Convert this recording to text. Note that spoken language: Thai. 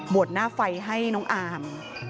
หน้าไฟให้น้องอาม